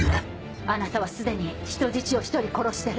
あなたは既に人質を１人殺してる。